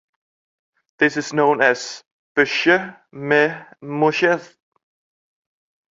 This is known as beschuit met muisjes.